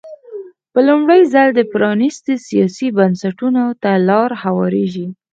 په لومړي ځل پرانېستو سیاسي بنسټونو ته لار هوارېږي.